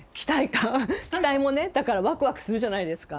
期待もね、だからワクワクするじゃないですか。